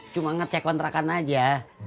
cuma ngecek kontrakan aja